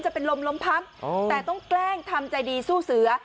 จะเป็นลมลมพับแต่ต้องแกล้งทำใจดีสู้เสือ